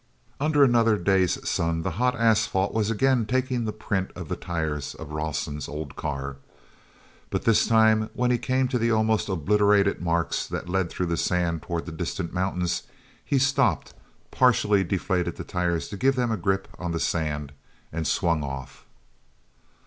nder another day's sun the hot asphalt was again taking the print of the tires of Rawson's old car. But this time, when he came to the almost obliterated marks that led through the sand toward distant mountains, he stopped, partially deflated the tires to give them a grip on the sand, and swung off.